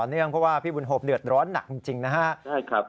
เนื่องเพราะว่าพี่บุญหบเดือดร้อนหนักจริงนะครับ